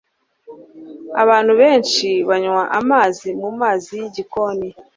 Abantu benshi banywa amazi mumazi yigikoni.